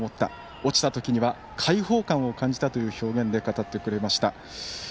落ちた時には開放感を感じたという表現で語ってくれました。